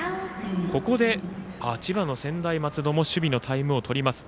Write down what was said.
ここで千葉の専大松戸も守備のタイムをとります。